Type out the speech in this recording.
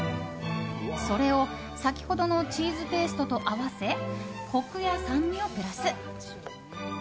それを先ほどのチーズペーストと合わせコクや酸味をプラス。